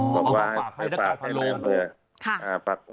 อ๋อครับ